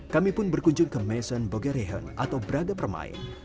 kami pun berkunjung ke maisong bohoreen atau braga permain